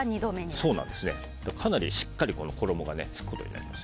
かなりしっかり衣がつくことになります。